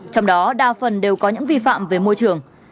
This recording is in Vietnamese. trong đó đa phần đều có những vi phạm về môi trường